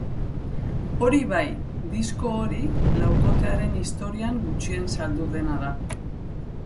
Hori bai, disko hori laukotearen historian gutxien saldu dena da.